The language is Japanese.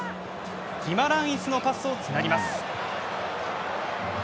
ギマランイスのパスをつなぎます。